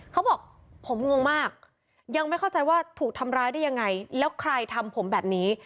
เขาบอกผมงงมากยังไม่เข้าใจว่าถูกทำร้ายได้ยังไงแล้วใครทำผมแบบนี้